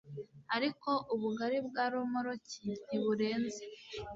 Ariko ubugari bwa romoruki ntiburenza